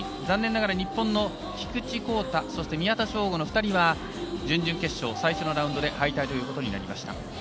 残念ながら日本の菊池耕太、宮田将吾の２人は準々決勝、最初のラウンドで敗退ということになりました。